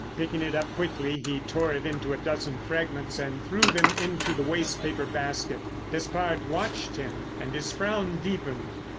Picking it up quickly he tore it into a dozen fragments and threw them into the waste paper basket. Despard watched him, and his frown deepened.